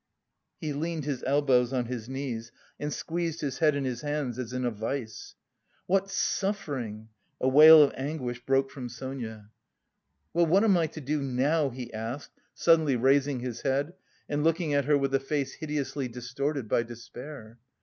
He leaned his elbows on his knees and squeezed his head in his hands as in a vise. "What suffering!" A wail of anguish broke from Sonia. "Well, what am I to do now?" he asked, suddenly raising his head and looking at her with a face hideously distorted by despair.